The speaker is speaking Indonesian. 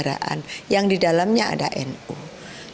mereka memiliki keinginan untuk membuat nu ini menjadi salah satu ormas keinginan